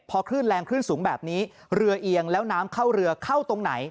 พอคลื่นแรงคลื่นสูงแบบนี้เรือเอียงแล้วน้ำเข้าเรือเข้าตรงไหน